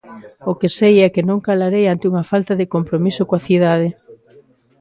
O que sei é que non calarei ante unha falta de compromiso coa cidade.